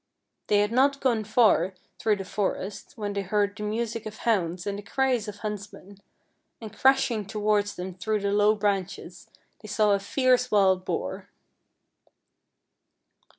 They had not gone far through the forest when they heard the music of hounds and the cries of huntsmen, and crashing towards them through the low branches they saw a fierce wild boar.